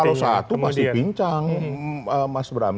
kalau satu pasti bincang mas bram